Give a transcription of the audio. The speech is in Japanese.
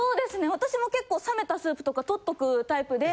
私も結構冷めたスープとか取っとくタイプで。